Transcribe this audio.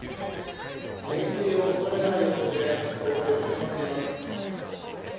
原形をとどめない様子で倒壊をしてしまっています。